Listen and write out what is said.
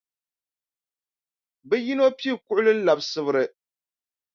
Bɛ yino pii kuɣili n-labi Sibiri.